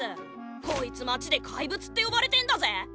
こいつ街で怪物って呼ばれてんだぜ！